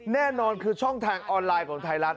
แน่นอนคือช่องทางออนไลน์ของไทยรัฐ